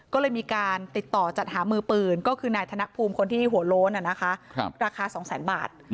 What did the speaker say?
ก็เลยมีการติดต่อจัดหามือปืนก็คือนายธนภูมิคนที่หัวโล้นราคา๒๐๐๐บาท